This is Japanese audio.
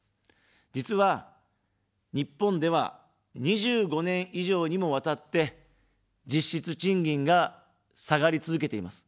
実は、日本では２５年以上にもわたって、実質賃金が下がり続けています。